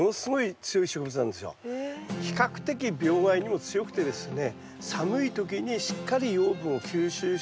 比較的病害にも強くてですね